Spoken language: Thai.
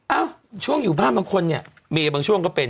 เอ้าช่วงอยู่บ้านบางคนเนี่ยมีบางช่วงก็เป็น